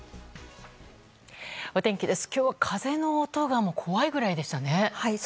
お天気です。